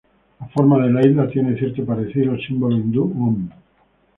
La forma de la isla tiene cierto parecido al símbolo hindú Om.